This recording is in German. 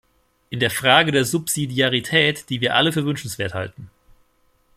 In der Frage der Subsidiarität, die wir alle für wünschenswert halten.